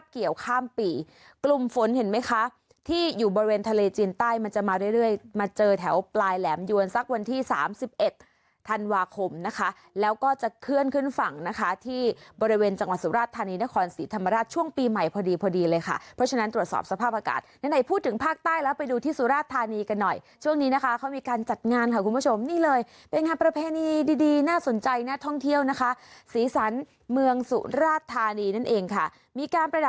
เกี่ยวข้ามปีกลุ่มฝนเห็นไหมคะที่อยู่บริเวณทะเลจีนใต้มันจะมาเรื่อยมาเจอแถวปลายแหลมยวนสักวันที่๓๑ธันวาคมนะคะแล้วก็จะเคลื่อนขึ้นฝั่งนะคะที่บริเวณจังหวัดสุราธารณีนครสีธรรมราชช่วงปีใหม่พอดีพอดีเลยค่ะเพราะฉะนั้นตรวจสอบสภาพอากาศในใดพูดถึงภาคใต้แล้วไปดูที่สุราธารณี